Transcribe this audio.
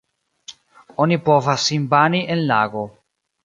Oni povas sin bani en lago.